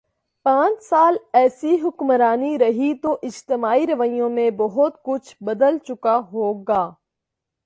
پانچ سال ایسی حکمرانی رہی تو اجتماعی رویوں میں بہت کچھ بدل چکا ہو گا۔